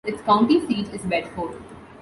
Its county seat is Bedford.